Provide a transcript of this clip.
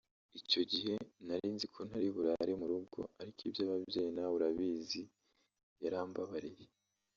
icyo gihe narinzi ko ntari burare mu rugo ariko iby’ababyeyi nawe urabizi yarambabariye